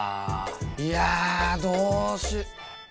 いやどうしよ。